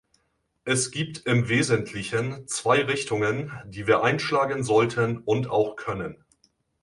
Es gibt im Wesentlichen zwei Richtungen, die wir einschlagen sollten und auch können.